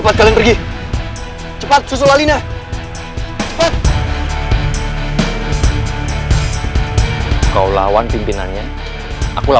namun mengapa ignorednya kita